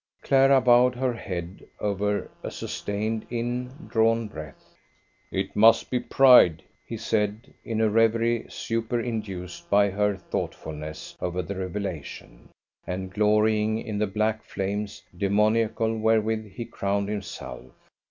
Clara bowed her head over a sustained in drawn breath. "It must be pride," he said, in a reverie superinduced by her thoughtfulness over the revelation, and glorying in the black flames demoniacal wherewith he crowned himself.